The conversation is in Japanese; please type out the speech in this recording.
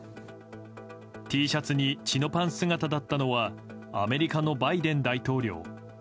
Ｔシャツにチノパン姿だったのはアメリカのバイデン大統領。